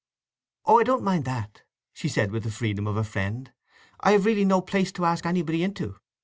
"Oh—I don't mind that," she said with the freedom of a friend. "I have really no place to ask anybody in to.